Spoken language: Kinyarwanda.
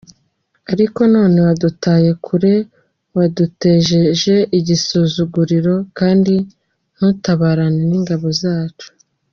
Ariko none wadutaye kure waduteje igisuzuguriro, Kandi ntutabarana n’ingabo zacu.